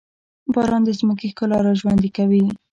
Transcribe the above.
باران د ځمکې ښکلا راژوندي کوي.